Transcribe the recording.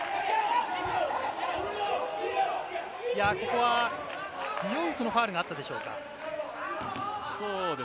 ここはディオウフのファウルがあったでしょうか。